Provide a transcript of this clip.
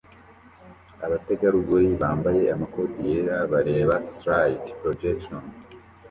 abategarugori bambaye amakoti yera bareba slide projection